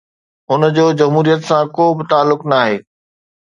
ان جو جمهوريت سان ڪو به تعلق ناهي.